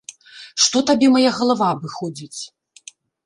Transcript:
Што табе мая галава абыходзіць?!